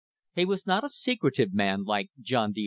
He was not a secretive man, like John D.